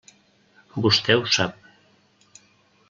Vostè ho sap.